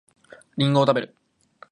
りんごを食べる